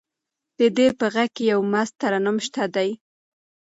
د ده په غږ کې یو مست ترنم شته دی.